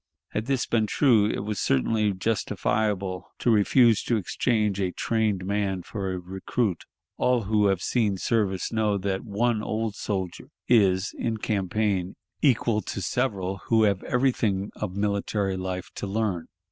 Had this been true, it was certainly justifiable to refuse to exchange a trained man for a recruit. All who have seen service know that one old soldier is, in campaign, equal to several who have everything of military life to learn.